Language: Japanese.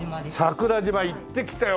桜島行ってきたよ